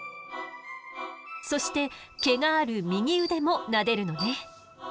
そして毛がある右腕もなでるのね。